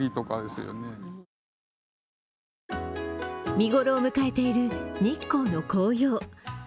見頃を迎えている日光の紅葉。